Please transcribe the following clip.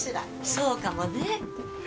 そうかもね